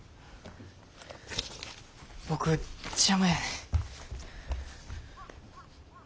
僕邪魔やね。